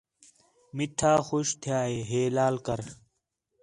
میٹھا خوش تھیا ہے لال کر